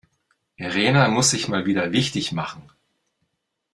Rena muss sich mal wieder wichtig machen.